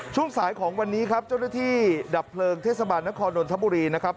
ช่วงสายของวันนี้ครับเจ้าหน้าที่ดับเพลิงเทศบาลนครนนทบุรีนะครับ